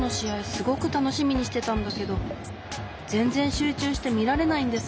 すごくたのしみにしてたんだけどぜんぜんしゅうちゅうしてみられないんです。